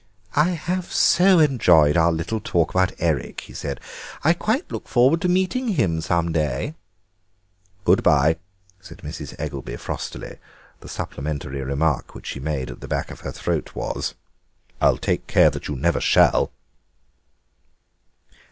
"I have so enjoyed our little talk about Eric," he said; "I quite look forward to meeting him some day." "Good bye," said Mrs. Eggelby frostily; the supplementary remark which she made at the back of her throat was— "I'll take care that you never shall!"